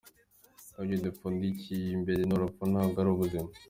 Ibyo dupfundikiye imbere ni urupfu ntabwo ari ubuzima.